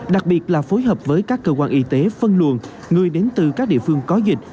đặc biệt là phối hợp với các cơ quan y tế phân luồn người đến từ các địa phương có dịch